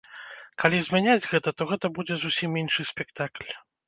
Калі змяняць гэта, то гэта будзе зусім іншы спектакль.